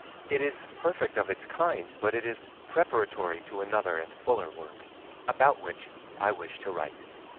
It is perfect of its kind, but it is preparatory to another and fuller work, about which I wish to write.